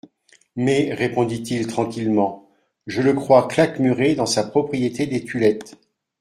Mais, répondit-il tranquillement, je le crois claquemuré dans sa propriété des Tulettes.